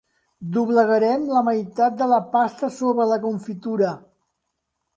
Doblegarem la meitat de la pasta sobre la confitura.